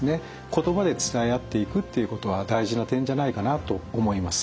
言葉で伝え合っていくということは大事な点じゃないかなと思います。